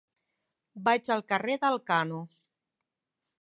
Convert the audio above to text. Vaig al carrer d'Elkano.